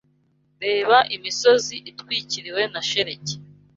Reba imisozi itwikiriwe na shelegi.